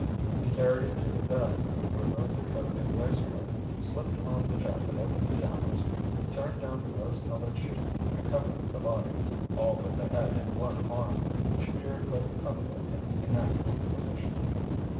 He carried it to the bed, removed the coat and waistcoat, slipped on the jacket of the pajamas, turned down the rose colored sheet and covered the body—all but the head and one arm, which appeared above the coverlet in a natural position.